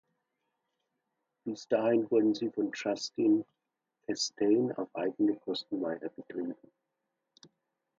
Bis dahin wurde sie von Justin Chastain auf eigene Kosten weiter betrieben.